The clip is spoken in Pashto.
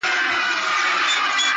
زلفـي را تاوي کړي پــر خپلـو اوږو;